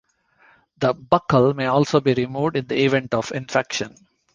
The buckle may also be removed in the event of infection.